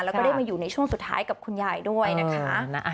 แล้วก็ได้มาอยู่ในช่วงสุดท้ายกับคุณยายด้วยนะคะ